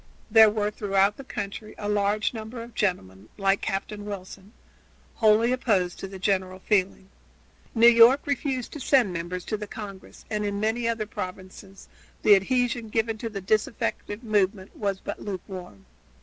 There were throughout the country a large number of gentlemen, like Captain Wilson, wholly opposed to the general feeling. New York refused to send members to the Congress, and in many other provinces the adhesion given to the disaffected movement was but lukewarm.